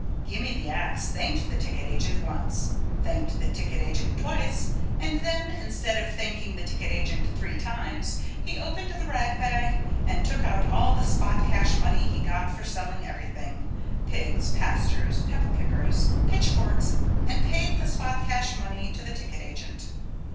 Gimme the Ax thanked the ticket agent once, thanked the ticket agent twice, and then instead of thanking the ticket agent three times he opened the ragbag and took out all the spot cash money he got for selling everything, pigs, pastures, pepper pickers, pitchforks, and paid the spot cash money to the ticket agent.